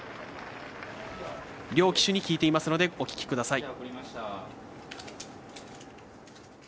両騎手に聞いていますのでお聞きください。